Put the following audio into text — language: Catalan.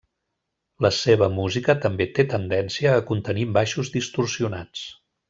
La seva música també té tendència a contenir baixos distorsionats.